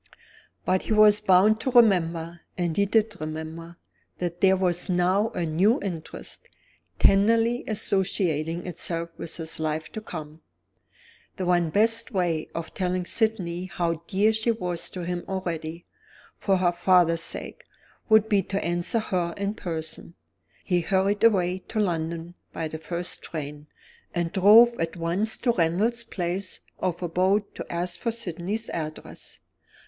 But he was bound to remember and he did remember that there was now a new interest, tenderly associating itself with his life to come. The one best way of telling Sydney how dear she was to him already, for her father's sake, would be to answer her in person. He hurried away to London by the first train, and drove at once to Randal's place of abode to ask for Sydney's address.